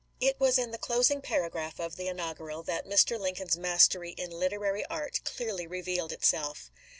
It was in the closing paragraph of the inaugural that Mr. Lincoln's mastery in literary art clearly revealed itself.